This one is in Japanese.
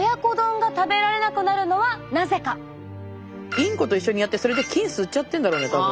インコと一緒にやってそれで菌吸っちゃってんだろうね多分。